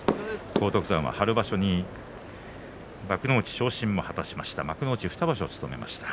荒篤山は春場所に幕内昇進を果たしました。